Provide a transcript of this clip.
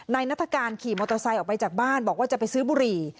นัฐกาลขี่มอเตอร์ไซค์ออกไปจากบ้านบอกว่าจะไปซื้อบุหรี่